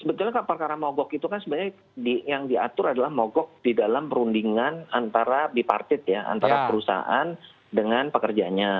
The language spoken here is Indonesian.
sebetulnya perkara mogok itu kan sebenarnya yang diatur adalah mogok di dalam perundingan antara bipartit ya antara perusahaan dengan pekerjanya